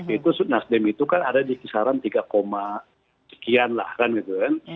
itu nasdem itu kan ada di kisaran tiga sekian lah kan gitu kan